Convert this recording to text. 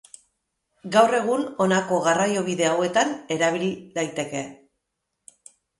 Gaur egun honako garraiobide hauetan erabil daiteke.